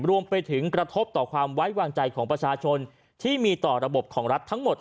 กระทบต่อความไว้วางใจของประชาชนที่มีต่อระบบของรัฐทั้งหมด